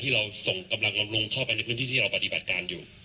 เราส่งกำลังเราลงเข้าไปในพื้นที่ที่เราปฏิบัติการอยู่